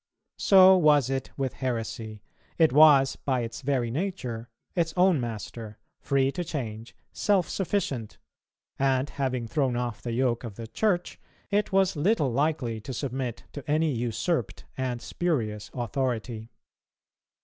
So was it with heresy: it was, by its very nature, its own master, free to change, self sufficient; and, having thrown off the yoke of the Church, it was little likely to submit to any usurped and spurious authority.